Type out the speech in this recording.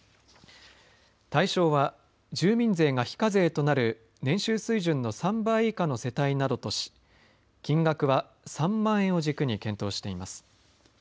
対象は住民税が非課税となる年収水準の３倍以下の世帯などとし金額は３万円を軸に検討しています。